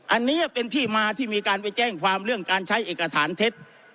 อันนี้เป็นที่มาที่มีการไปแจ้งความเรื่องการใช้เอกสารเท็จ